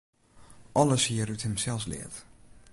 Alles hie er út himsels leard.